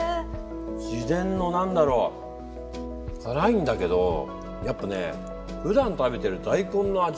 自然の何だろう辛いんだけどやっぱねふだん食べてる大根の味と全く違う。